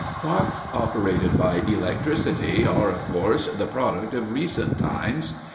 Clocks operated by electricity are, of course, the product of recent times.